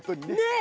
え？